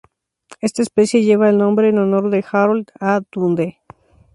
Esta especie lleva el nombre en honor de Harold A. Dundee.